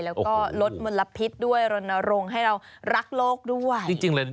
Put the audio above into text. แล้วก็ลดมลพิษด้วยลงให้เรารักโลกด้วย